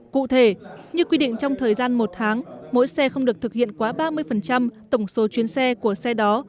cụ thể như quy định trong thời gian một tháng mỗi xe không được thực hiện quá ba mươi tổng số chuyến xe của xe đó